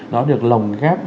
nó được lồng gáp